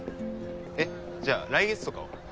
えっじゃあ来月とかは？